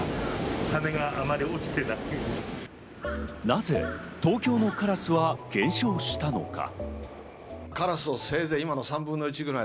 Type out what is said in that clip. なぜ東京のカラスは減少したのか。